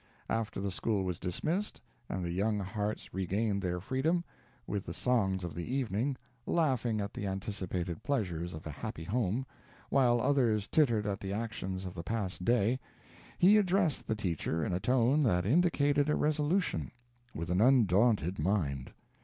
After the school was dismissed, and the young hearts regained their freedom, with the songs of the evening, laughing at the anticipated pleasures of a happy home, while others tittered at the actions of the past day, he addressed the teacher in a tone that indicated a resolution with an undaunted mind.